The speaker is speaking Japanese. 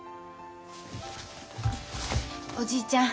おじいちゃん。